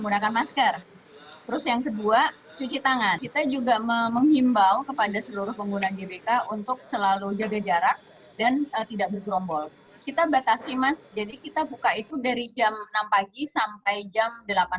kita batasi mas jadi kita buka itu dari jam enam pagi sampai jam delapan belas